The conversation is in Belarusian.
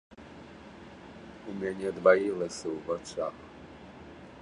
У мяне дваілася ў вачах.